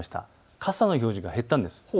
傘の表示が減ったんです。